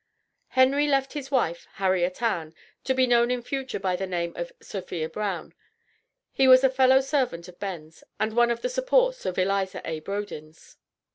Henry left his wife, Harriet Ann, to be known in future by the name of "Sophia Brown." He was a fellow servant of Ben's, and one of the supports of Eliza A. Brodins.